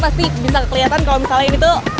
pasti bisa kelihatan kalau misalnya ini tuh